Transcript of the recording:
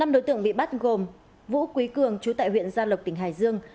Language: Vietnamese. năm đối tượng bị bắt gồm vũ quý cường chú tại huyện gia lộc tỉnh hải dương